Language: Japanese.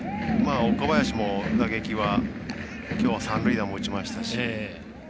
岡林も打撃は、きょうは三塁打も打ちましたし。